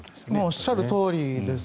おっしゃるとおりです。